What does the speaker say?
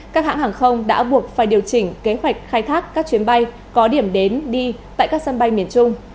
các hãng hàng không đã buộc phải điều chỉnh kế hoạch khai thác các chuyến bay có điểm đến đi tại các sân bay miền trung